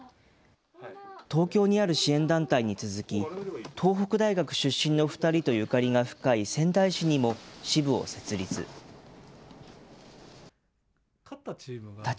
東京にある支援団体に続き、東北大学出身の２人とゆかりが深い仙台市にも支部を設立。